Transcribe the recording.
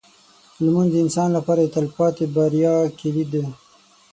لمونځ د انسان لپاره د تلپاتې بریا کلید دی.